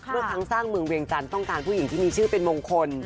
เมื่อครั้งสร้างเมืองเวียงจันทร์ต้องการผู้หญิงที่มีชื่อเป็นมงคล